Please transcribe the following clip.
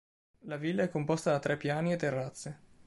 La villa è composta da tre piani e terrazze.